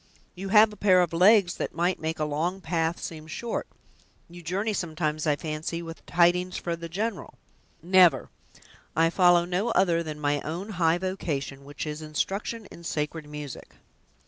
"You have a pair of legs that might make a long path seem short! you journey sometimes, I fancy, with tidings for the general." "Never; I follow no other than my own high vocation, which is instruction in sacred music!"